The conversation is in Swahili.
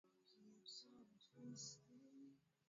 Jumuia ya kiuchumi ya nchi za Afrika ya magharibi